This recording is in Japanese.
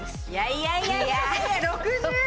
いやいや。